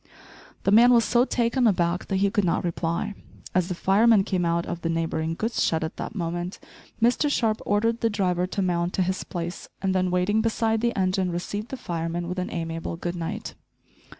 The man was so taken aback that he could not reply. As the fireman came out of the neighbouring goods shed at that moment, Mr Sharp ordered the driver to mount to his place, and then waiting beside the engine received the fireman with an amiable "Good night."